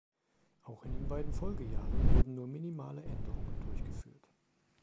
Auch in den beiden Folgejahren wurden nur minimale Änderungen durchgeführt.